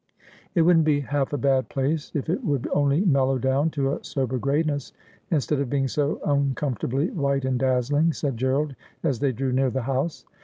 ' It wouldn't be half a bad place if it would only mellow down to a sober grayness, instead of being so uncomfort ably white and dazzling,' said Gerald as they drew near the house.